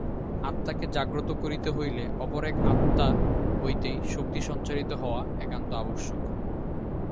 আত্মাকে জাগ্রত করিতে হইলে অপর এক আত্মা হইতেই শক্তি সঞ্চারিত হওয়া একান্ত আবশ্যক।